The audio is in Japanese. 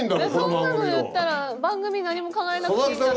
そんなの言ったら番組何も考えなくていいんだったら。